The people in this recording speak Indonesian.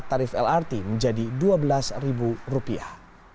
tarif lrt menjadi dua belas rupiah